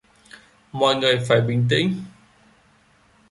Mọi người phải bình tĩnh